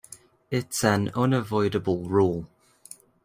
It's an unavoidable rule.